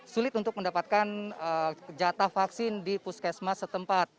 sulit untuk mendapatkan jatah vaksin di puskesmas setempat